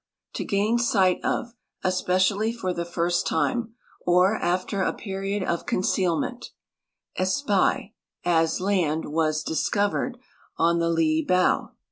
To gain sight of, especially for the first time, or after a period of concealment ; espy ; as, land was discovered on the lee bow.